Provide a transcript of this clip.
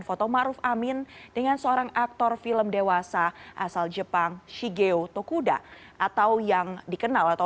foto ⁇ maruf ⁇ amin dengan seorang aktor film dewasa asal jepang shigeo tokuda atau yang dikenal atau